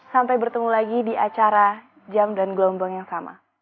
sampai bertemu lagi di acara jam dan gelombang yang sama